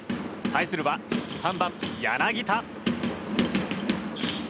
対するは３番、柳田。